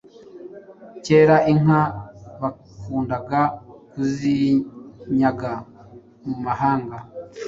Kera inka bakundaga kuzinyaga mu mahanga,